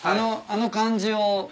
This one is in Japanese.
あの感じを。